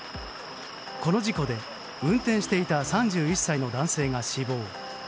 この事故で運転していた３１歳の男性が死亡。